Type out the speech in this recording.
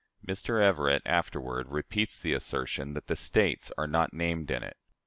" Mr. Everett afterward repeats the assertion that "the States are not named in it."